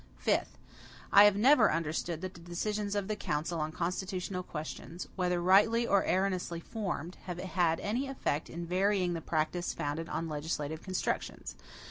Fifth. I have never understood that the decisions of the council on constitutional questions, whether rightly or erroneously formed, have had any effect in varying the practice founded on legislative constructions.